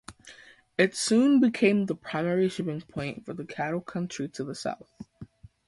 It soon became the primary shipping point for the cattle country to the south.